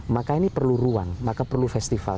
maka ini perlu ruang maka perlu festival